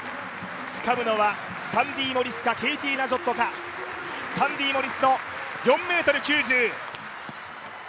つかむのは、サンディ・モリスかケイティ・ナジョットかサンディ・モリスの４０ｍ９０。